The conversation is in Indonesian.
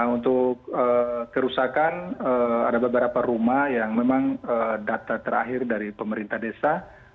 untuk kerusakan ada beberapa rumah yang memang data terakhir dari pemerintah desa